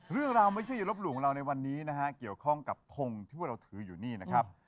เรื่องราวไม่เชื่ออย่าลบลูกของเราในวันนี้นะฮะเกี่ยวข้องกับทงที่เราถืออยู่นี่นะครับ